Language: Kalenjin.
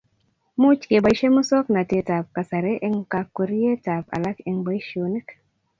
Muut, keboisye musoknatetab kasari eng kakwerietab alak eng boisionik.